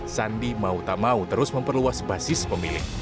sandi mau tak mau terus memperluas basis pemilih